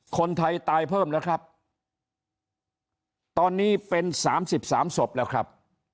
คนไทยตายเพิ่มแล้วครับตอนนี้เป็น๓๓ศพแล้วครับ